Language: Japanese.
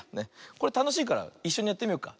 これたのしいからいっしょにやってみようか。